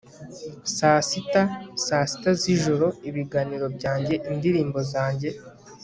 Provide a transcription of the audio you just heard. Saa sita saa sita zijoro ibiganiro byanjye indirimbo yanjye